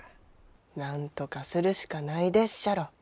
なんとかするしかないでっしゃろ。